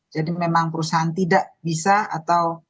jadi memang perusahaan tidak bisa atau